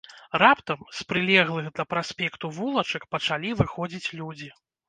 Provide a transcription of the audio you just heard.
Раптам з прылеглых да праспекту вулачак пачалі выходзіць людзі.